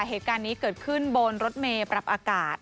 เหตุการณ์นี้เกิดขึ้นบนรถเมย์ปรับอากาศ